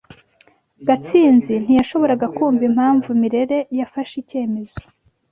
Gatsinzi ntiyashoboraga kumva impamvu Mirelle yafashe icyemezo.